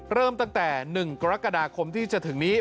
เริ่มตั้งแต่๑กรกฎาคมที่จะถึงนี้